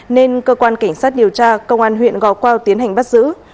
nên cơ quan cảnh sát điều tra công an huyện gò quao tiến hành bắt giữ